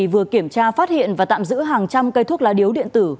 vừa kiểm tra phát hiện và tạm giữ hàng trăm cây thuốc lá điếu điện tử